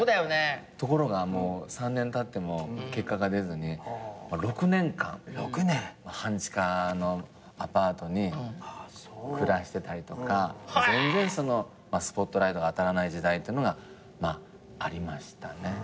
ところが３年たっても結果が出ずに６年間半地下のアパートに暮らしてたりとか全然スポットライトが当たらない時代ってのがありましたね。